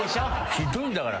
ひどいんだから。